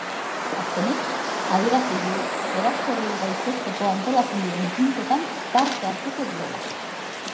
Azkenik, adierazi du eraso hori gaitzesteko antolatzen diren ekintzetan parte hartuko duela.